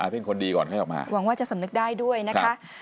เป็นคนดีก่อนให้ออกมาหวังว่าจะสำนึกได้ด้วยนะคะ